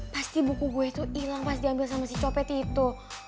pasti buku gue itu hilang pas diambil sama si copet itu